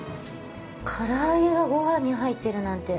唐揚げがごはんに入っているなんて